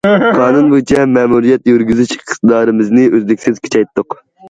قانۇن بويىچە مەمۇرىيەت يۈرگۈزۈش ئىقتىدارىمىزنى ئۈزلۈكسىز كۈچەيتتۇق.